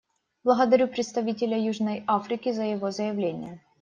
Благодарю представителя Южной Африки за его заявление.